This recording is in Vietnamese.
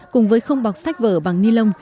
cùng với không bọc sách vở bằng ni lông